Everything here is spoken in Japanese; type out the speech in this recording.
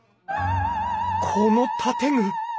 この建具。